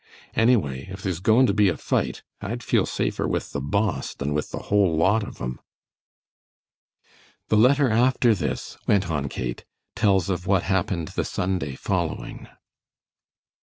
Anyway, if there's goin' to be a fight, I'd feel safer with the Boss than with the whole lot of 'em." "The letter after this," went on Kate, "tells of what happened the Sunday following."